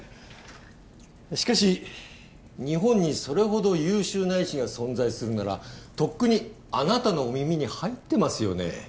しかし日本にそれほど優秀な医師が存在するならとっくにあなたのお耳に入ってますよね